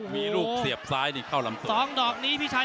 มีลูกเสียบซ้ายนี่เข้ารำสสระ